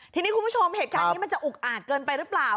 ทีนี้คุณผู้ชมเหตุการณ์นี้มันจะอุกอาจเกินไปหรือเปล่า